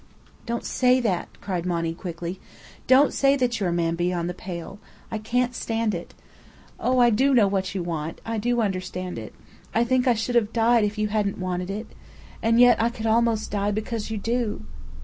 "Don't say that!" cried Monny, quickly. "Don't say that you're a man beyond the pale. I can't stand it. Oh! I do know what you want. I do understand. I think I should have died if you hadn't wanted it. And yet I could almost die because you do."